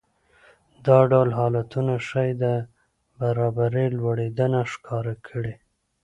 دا ډول حالتونه ښايي د برابرۍ لوړېدنه ښکاره کړي